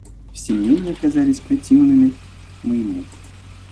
Все мнения оказались противными моему.